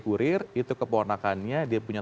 kurir itu keponakannya dia punya